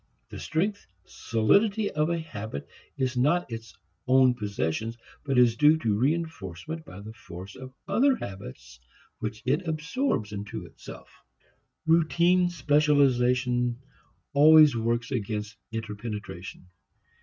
The strength, solidity of a habit is not its own possession but is due to reinforcement by the force of other habits which it absorbs into itself. Routine specialization always works against interpenetration.